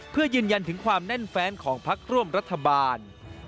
เพื่อยืนยันถึงความแน่นแฟนของพักร่วมรัฐบาล